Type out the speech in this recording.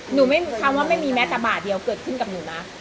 หนูคำว่าไม่มีแม่ตาบาทเลยดีพอขึ้นกับหนูนะ